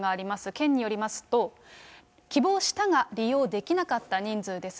県によりますと、希望したが利用できなかった人数です。